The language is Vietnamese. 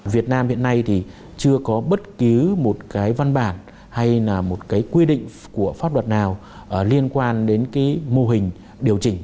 việt nam hiện nay thì chưa có bất cứ một cái văn bản hay là một cái quy định của pháp luật nào liên quan đến cái mô hình điều chỉnh